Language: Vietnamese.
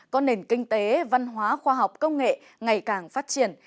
có nền kinh tế văn hóa khoa học công nghệ ngày càng phát triển